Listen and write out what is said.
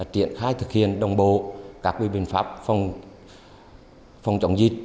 triển khai thực hiện đồng bộ các biện pháp phòng chống dịch